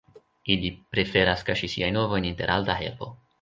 Ili preferas kaŝi siajn ovojn inter alta herbo.